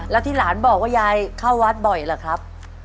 แล้วที่หลานบอกว่ายายเข้าวัดบ่อยล่ะครับ